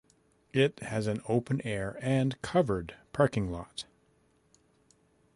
It has an open air and covered parking lot.